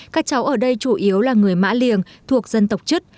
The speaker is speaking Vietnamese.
các cháu ở đây chủ yếu là người mã liềng thuộc dân tộc chức